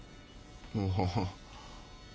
ああ。